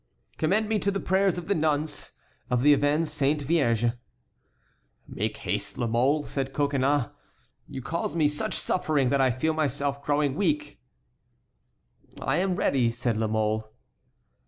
"Commend me to the prayers of the nuns of the Avens Sainte Vierge." "Make haste, La Mole," said Coconnas, "you cause me such suffering that I feel myself growing weak." "I am ready," said La Mole.